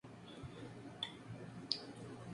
Fueron necesarias dos escrutinios.